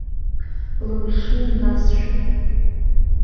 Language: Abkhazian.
Лымшын насшәа.